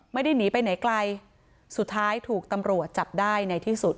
ไม่ได้หนีไปไหนไกลสุดท้ายถูกตำรวจจับได้ในที่สุด